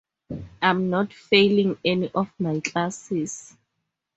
I'm not failing any of my classes.